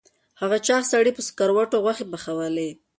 هغه چاغ سړي په سکروټو غوښې پخولې.